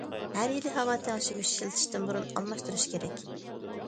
ھەر يىلى ھاۋا تەڭشىگۈچ ئىشلىتىشتىن بۇرۇن ئالماشتۇرۇش كېرەك.